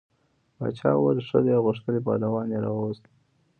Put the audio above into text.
باچا هم وویل ښه دی او غښتلی پهلوان یې راووست.